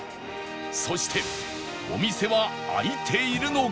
そしてお店は開いているのか？